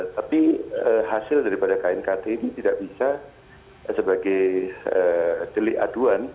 tapi hasil dari knkt ini tidak bisa diaduan